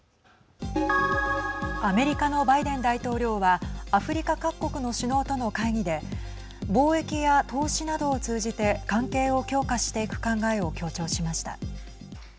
アメリカのバイデン大統領はアフリカ各国の首脳との会議で貿易や投資などを通じて関係を強化していく考えを強調しました。